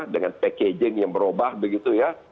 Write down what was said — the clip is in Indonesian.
dengan packaging yang berubah begitu ya